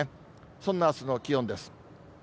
そんなあすの気温です。